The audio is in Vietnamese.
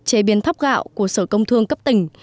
chế biến thóc gạo của sở công thương cấp tỉnh